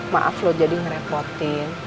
maaf loh jadi ngerepotin